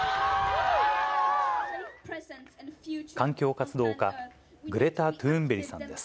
環境活動家、グレタ・トゥーンベリさんです。